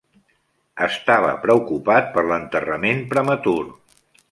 Estava preocupat per l'enterrament prematur.